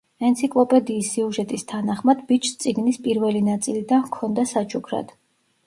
ენციკლოპედიის სიუჟეტის თანახმად, ბიჭს წიგნის პირველი ნაწილიდან ჰქონდა საჩუქრად.